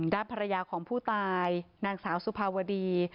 ด้านภรรยาของผู้ตายนางสาวสุภาวดี